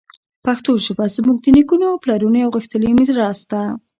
پښتو ژبه زموږ د نیکونو او پلارونو یوه غښتلې میراث ده.